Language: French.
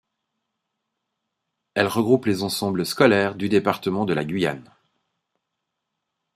Elle regroupe les ensembles scolaires du département de la Guyane.